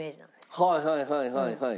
はいはいはいはいはい。